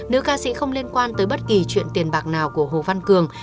nữ ca sĩ không liên quan tới bất kỳ chuyện tiền bạc nào của hồ văn cường